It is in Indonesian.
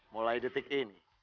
mulai detik ini